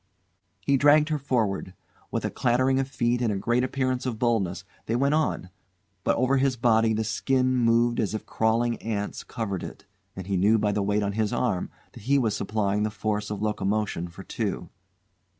He dragged her forward. With a clattering of feet and a great appearance of boldness they went on, but over his body the skin moved as if crawling ants covered it, and he knew by the weight on his arm that he was supplying the force of locomotion for two.